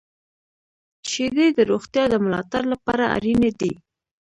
• شیدې د روغتیا د ملاتړ لپاره اړینې دي.